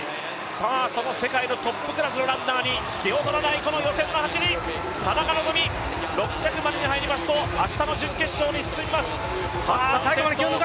その世界のトップクラスのランナーに引けを取らないこの走り、田中希実、６着までに入りますと明日の準決勝に進みます。